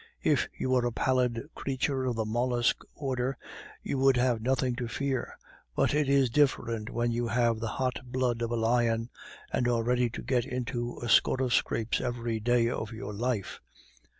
If you were a pallid creature of the mollusk order, you would have nothing to fear, but it is different when you have the hot blood of a lion and are ready to get into a score of scrapes every day of your life.